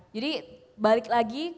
jadi balik lagi